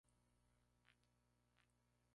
Los dos se casan y viven felices para siempre.